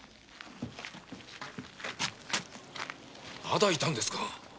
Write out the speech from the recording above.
まだいたのですか？